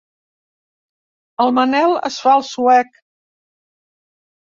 El Manel es fa el suec.